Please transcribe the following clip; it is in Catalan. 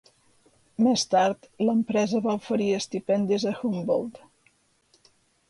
Més tard, l'empresa va oferir estipendis a Humboldt.